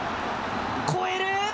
越える。